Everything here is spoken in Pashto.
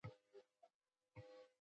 کارمند باید خپلې حاضرۍ ته پابند وي.